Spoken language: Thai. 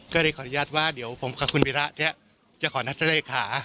ก็เลยขออนุญาตว่าเดี๋ยวผมกับคุณวิระเนี่ยจะขอนัดท่านเลขา